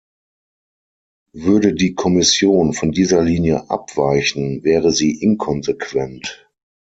Würde die Kommission von dieser Linie abweichen, wäre sie inkonsequent.